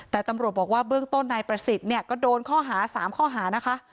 แต่ตำรวจบอกว่าเบื้องต้นนายประสิทธิ์เนี่ยก็โดนข้อหา๓ข้อหานะคะ